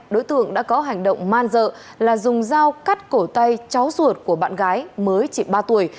đối tượng đã có hành động man dợ là dùng dao cắt cổ tay cháu ruột của bạn gái mới chỉ ba tuổi